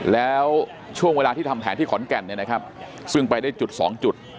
แล้วช่วงเวลาที่ทำแผนที่ขอนแก่นเนี่ยนะครับซึ่งไปได้จุดสองจุด